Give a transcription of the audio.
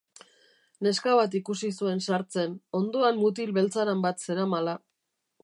Neska bat ikusi zuen sartzen, ondoan mutil beltzaran bat zeramala.